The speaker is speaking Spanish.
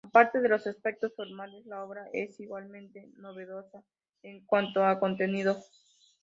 Aparte de los aspectos formales, la obra es igualmente novedosa en cuanto a contenidos.